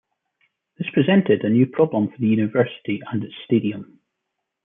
This presented a new problem for the university and its stadium.